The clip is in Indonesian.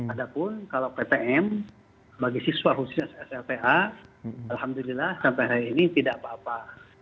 ada pun kalau ptm bagi siswa khususnya slpa alhamdulillah sampai hari ini tidak apa apa